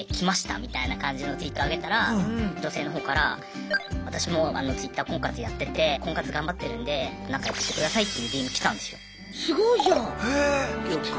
みたいな感じのツイート上げたら女性の方から「私もＴｗｉｔｔｅｒ婚活やってて婚活頑張ってるんで仲良くしてください」っていうＤＭ来たんですよ。